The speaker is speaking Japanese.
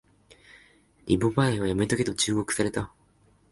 リボ払いはやめとけと忠告された